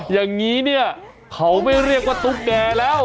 อย่างนี้เนี่ยเขาไม่เรียกว่าตุ๊กแก่แล้ว